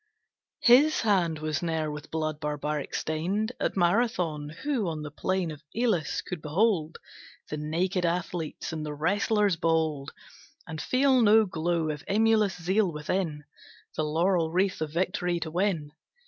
His hand was ne'er with blood barbaric stained, At Marathon, Who on the plain of Elis could behold The naked athletes, and the wrestlers bold, And feel no glow of emulous zeal within, The laurel wreath of victory to win.